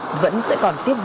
chào lắm có nhiềuết